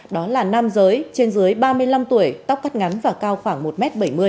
đó là nam giới trên dưới ba mươi năm tuổi tóc cắt ngắn và cao khoảng một m bảy mươi